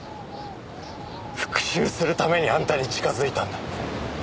復讐するためにあんたに近づいたんだ。